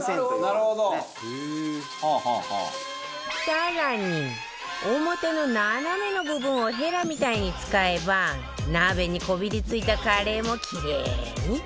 更に表の斜めの部分をヘラみたいに使えば鍋にこびりついたカレーもキレイに取れちゃうわよ